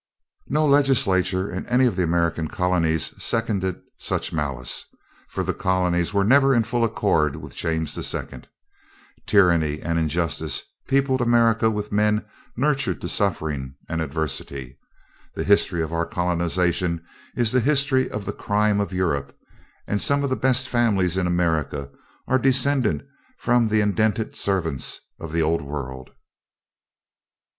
No legislature in any of the American colonies seconded such malice, for the colonies were never in full accord with James II. Tyranny and injustice peopled America with men nurtured to suffering and adversity. The history of our colonization is the history of the crimes of Europe, and some of the best families in America are descended from the indented servants of the Old World.